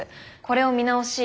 これを見直し